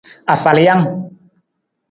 Afalijang.